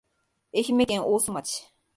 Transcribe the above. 愛媛県大洲市